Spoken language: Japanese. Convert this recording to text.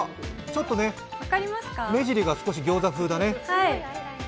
ちょっと目尻が少し、ギョウザ風だね。